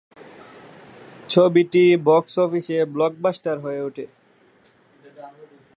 ছবিটি বক্স অফিসে ব্লকবাস্টার হয়ে ওঠে।